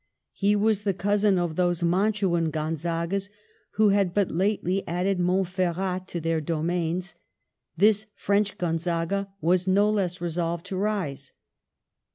He was the cousin of those Mantuan Gonzagas who had but lately added Montferrat to their domains. This French Gonzaga was no less resolved to rise.